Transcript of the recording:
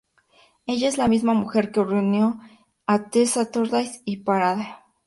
Ella es la misma mujer que reunió a The Saturdays y Parade.